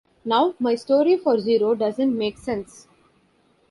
Now my story for Zero doesn't make sense!